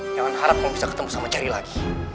jangan harap kamu bisa ketemu jerry lagi